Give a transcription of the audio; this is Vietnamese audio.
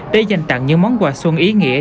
để dành tặng những món quà xuân ý nghĩa